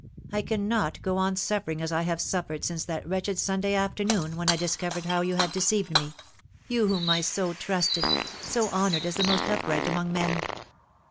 I cannot go on suffering as I have suffered since that wretched Sunday afternoon when I discovered how you had deceived me you whom I so trusted, so honoured as the most upright among men."